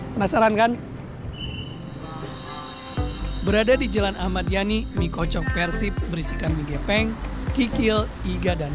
penasaran kan berada di jalan ahmad yani mie kocok persib berisikan mie gepeng kikil iga dan